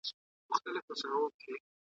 بیا پر خیالي کوثر جامونه ښيي `